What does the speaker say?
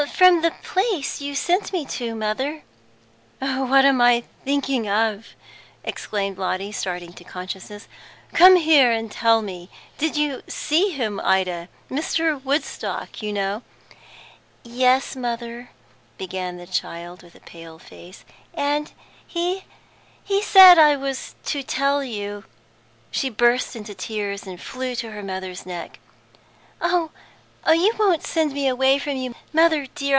"From the the place you sent me to, mother." "What am I thinking of!" exclaimed Lotty, starting to consciousness. "Come here, and tell me. Did you see see him, Ida? Mr. Woodstock, you know." "Yes, mother," began the child, with pale face, "and he he said I was to tell you " She burst into tears, and flew to her mother's neck. "Oh, you won't send me away from you, mother dear?